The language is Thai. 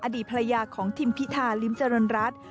อดีตภรรยาของทิมพิธาลิ้มเจริญรัฐ